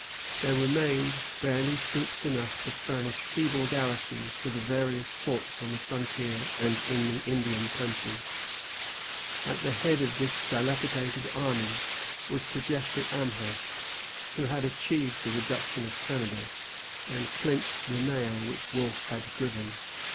There remained barely troops enough to furnish feeble garrisons for the various forts on the frontier and in the Indian country. At the head of this dilapidated army was Sir Jeffrey Amherst, who had achieved the reduction of Canada, and clinched the nail which Wolfe had driven.